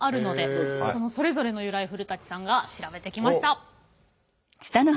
それぞれの由来古さんが調べてきました。